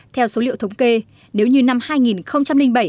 theo số liệu thống kê nếu như năm hai nghìn bảy